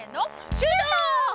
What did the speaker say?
シュート！